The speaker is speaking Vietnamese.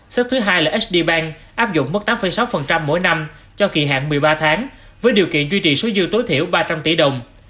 sếp thứ hai là hdbank áp dụng mức tám sáu mỗi năm cho kỳ hạng một mươi ba tháng với điều kiện duy trì số dư tối thiểu ba trăm linh tỷ đồng